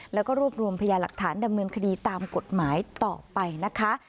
แล้วก็รวบรวมพยาหลักฐานดำเนินคดีตามกฎหมายต่อไปนะคะ